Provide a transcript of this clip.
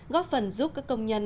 góp phần giúp các công nhân